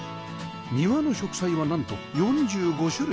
庭の植栽はなんと４５種類